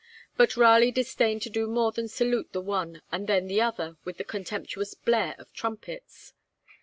But Raleigh disdained to do more than salute the one and then the other with a contemptuous blare of trumpets.